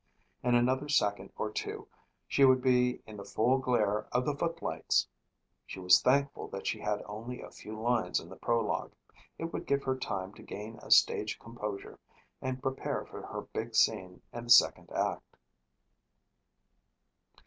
In another second or two she would be in the full glare of the footlights. She was thankful that she had only a few lines in the prologue. It would give her time to gain a stage composure and prepare for her big scene in the second act.